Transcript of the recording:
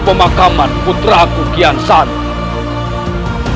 pemakaman putraku kian santan